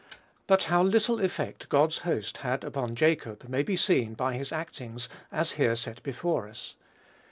But how little effect "God's host" had upon Jacob may be seen by his actings as here set before us.